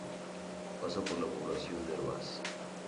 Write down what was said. Pasa por la población de Hervás.